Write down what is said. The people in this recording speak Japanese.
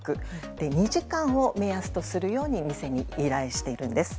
２時間を目安とするようにお店に依頼しているんです。